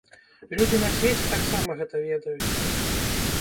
Людзі на свеце таксама гэта ведаюць.